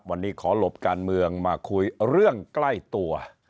วันนี้ขอหลบการเมืองมาคุยเรื่องใกล้ตัว